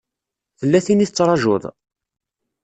Tella tin i tettṛajuḍ?